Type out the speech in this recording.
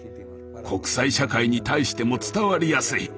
国際社会に対しても伝わりやすい。